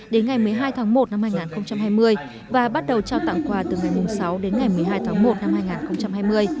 đến ngày một mươi hai tháng một năm hai nghìn hai mươi và bắt đầu trao tặng quà từ ngày sáu đến ngày một mươi hai tháng một năm hai nghìn hai mươi